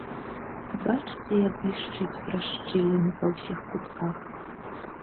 Бачыце, як блішчыць праз шчыліны па ўсіх кутках.